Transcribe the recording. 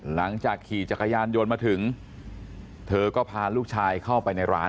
หลังจากขี่จักรยานยนต์มาถึงเธอก็พาลูกชายเข้าไปในร้าน